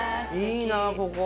いいなここ。